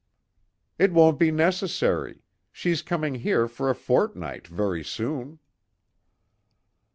"It won't be necessary. She's coming here for a fortnight very soon."